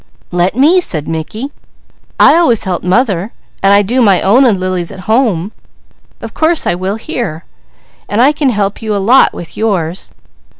"Let me," said Mickey. "I always helped mother, and I do my own and Lily's at home. Of course I will here, and I can help you a lot with yours!"